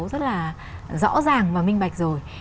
rất là rõ ràng và minh bạch rồi